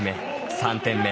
３点目。